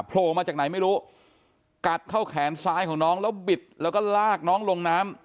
โผล่มาจากไหนไม่รู้กัดเข้าแขนซ้ายของน้องแล้วบิดแล้วก็ลากน้องลงน้ำ